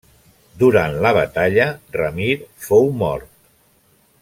Durant la batalla Ramir fou mort.